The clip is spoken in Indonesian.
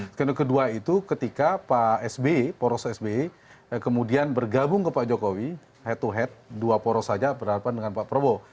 skenario kedua itu ketika pak sb poros sby kemudian bergabung ke pak jokowi head to head dua poros saja berhadapan dengan pak prabowo